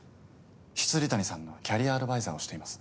未谷さんのキャリアアドバイザーをしています。